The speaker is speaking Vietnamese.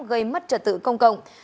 gây mất trật tự công cộng